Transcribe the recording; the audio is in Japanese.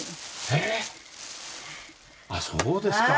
えっ⁉そうですか。